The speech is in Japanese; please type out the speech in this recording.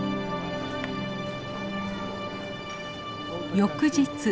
翌日。